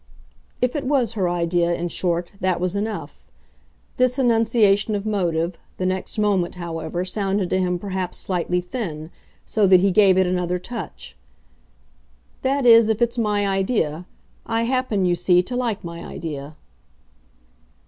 If it was her idea, in short, that was enough. This enunciation of motive, the next moment, however, sounded to him perhaps slightly thin, so that he gave it another touch. "That is if it's my idea. I happen, you see, to like my idea."